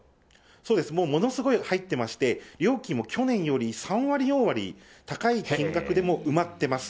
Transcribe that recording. そうです、もうものすごい入ってまして、料金も、去年より３割、４割高い金額でも埋まってます。